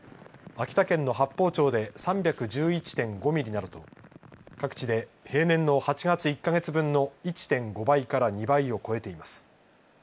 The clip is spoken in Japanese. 秋田県の八峰町で３１１．５ミリなどと各地で平年の８月１か月分の１．５倍から２倍を超えています。